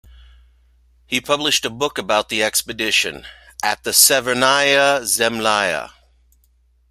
He published a book about the expedition, "At the Severnaya Zemlya".